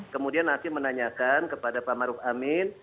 kemudian hakim menanyakan kepada pak maruf amin